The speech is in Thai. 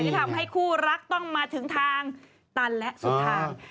ทำให้คู่รักต้องมาถึงทางตันและสุดทาง